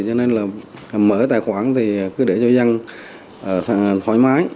cho nên là mở tài khoản thì cứ để cho dân thoải mái